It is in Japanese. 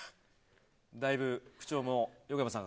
だいぶ口調も横山さん